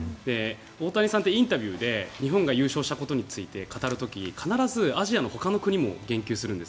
大谷さんってインタビューで日本が優勝したことに語る時必ず、アジアの他の国に言及するんです。